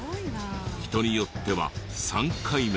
人によっては３回目。